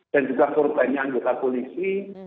dan juga perubahannya anggota polisi